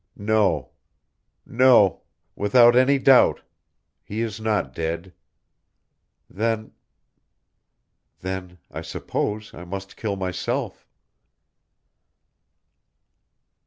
No ... no ... without any doubt ... he is not dead. Then ... then ... I suppose I must kill myself!